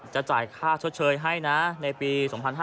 จะจ่ายค่าเชิดเชยให้นะในปี๒๕๖๐